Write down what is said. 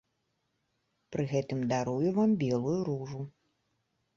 Пры гэтым дарую вам белую ружу.